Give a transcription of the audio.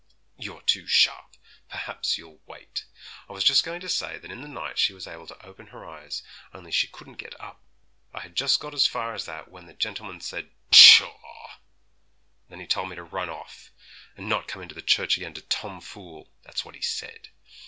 'You're too sharp! Perhaps you'll wait. I was just going to say that in the night she was able to open her eyes, only she couldn't get up. I had just got as far as that, when the gentleman said "Pshaw!" and then he told me to run off, and not come into the church again to tomfool that's what he said.